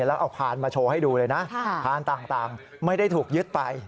แล้วเอาพานมาโชว์ให้ดูเลยนะพานต่างไม่ได้ถูกยึดไป